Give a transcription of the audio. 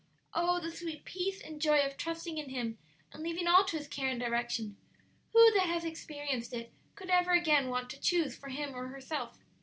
Oh, the sweet peace and joy of trusting in Him and leaving all to His care and direction! Who that has experienced it could ever again want to choose for him or herself?"